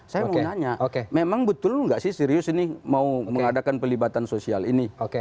saya mau nanya memang betul nggak sih serius ini mau mengadakan pelibatan sosial ini